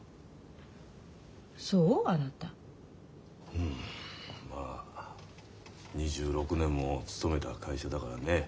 うんまあ２６年も勤めた会社だからね。